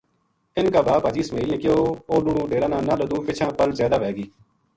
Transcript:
اِنھ کا باپ حاجی اسماعیل نے کہیو اوہ لڑوں ڈیرا نا نہ لَدوں پَچھاں پل زیادہ وھے گی